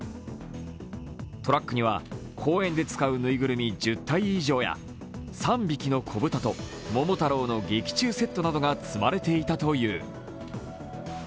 トラックには公演で使うぬいぐるみ１０体以上や、「三匹のこぶた」と「ももたろう」の劇中セットが積まれていたという。